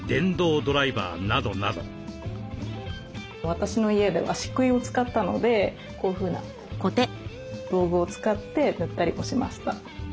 私の家ではしっくいを使ったのでこういうふうな道具を使って塗ったりもしました。